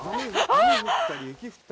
あっ！